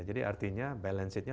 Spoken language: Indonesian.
jadi artinya balance it nya